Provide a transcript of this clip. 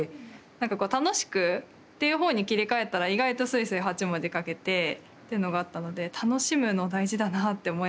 なんかこう楽しくっていうほうに切り替えたら意外とスイスイ８文字書けてというのがあったので楽しむの大事だなって思いながら。